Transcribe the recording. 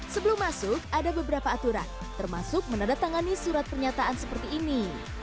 sebelum masuk ada beberapa aturan termasuk menandatangani surat pernyataan seperti ini